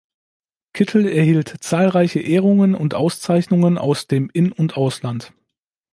Kittel erhielt zahlreiche Ehrungen und Auszeichnungen aus dem In- und Ausland.